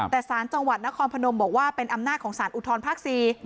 แต่สารจังหวัดนครพนมบอกว่าเป็นอำนาจของสารอุทธรภาค๔